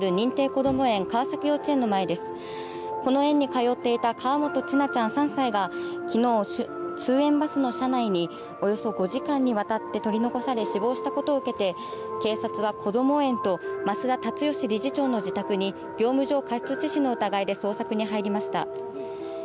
この園に通っていた河本千奈ちゃん３歳がきのう通園バスの車内におよそ５時間にわたって取り残され死亡したことを受けて警察はこども園と増田立義理事長の自宅に業務上過失致死の疑いで捜索に入りました。